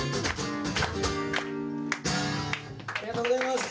ありがとうございます。